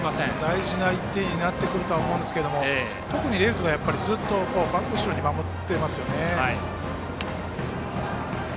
大事な１点になってくると思うんですけど特にレフトがずっと後ろに守っていますよね。